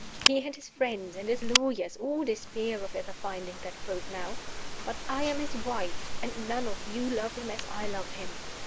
He and his friends and his lawyers all despair of ever finding that proof now. But I am his wife; and none of you love him as I love him.